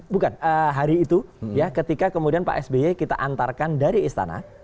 bukan hari itu ya ketika kemudian pak sby kita antarkan dari istana